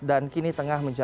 dan kini tengah menangis